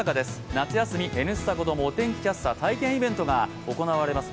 夏休みＮスタ子どもお天気キャスター体験イベントが行われます。